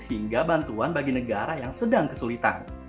hingga bantuan bagi negara yang sedang kesulitan